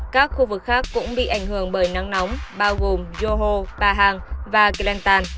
các khu vực khác cũng bị ảnh hưởng bởi nắng nóng bao gồm johor pahang và kelantan